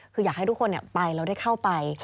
คืออยากให้ทุกคนไปแล้วได้เข้าไป